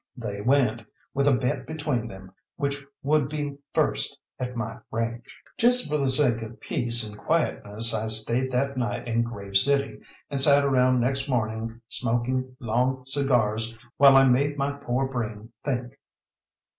They went, with a bet between them, which would be first at my ranch. Just for the sake of peace and quietness I stayed that night in Grave City, and sat around next morning smoking long cigars while I made my poor brain think.